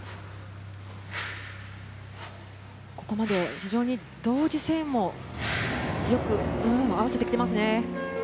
ここまで非常に同時性もよく合わせてきていますね。